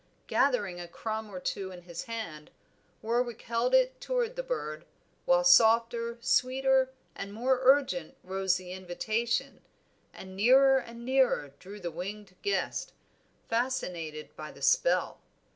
Gathering a crumb or two into his hand, Warwick held it toward the bird, while softer, sweeter, and more urgent rose the invitation, and nearer and nearer drew the winged guest, fascinated by the spell.